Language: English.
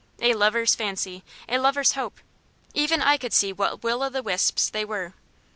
A lover's fancy a lover's hope. Even I could see what will o' the wisps they were.